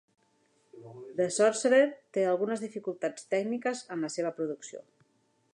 "The Sorcerer" té algunes dificultats tècniques en la seva producció.